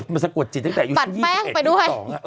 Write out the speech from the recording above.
มันสะกดจิตตั้งแต่ปัดแป๊กไปด้วย